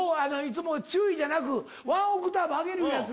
注意じゃなくワンオクターブ上げるいうやつ。